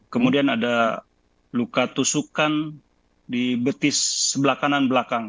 kemudian ada luka tusukan di betis sebelah kanan belakang